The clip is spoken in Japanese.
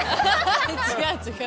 違う、違う。